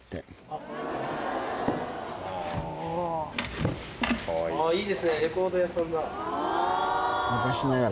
あぁいいですね。